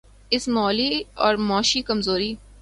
اس مالی اور معاشی کمزوری